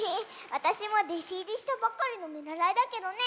わたしもでしいりしたばかりのみならいだけどね。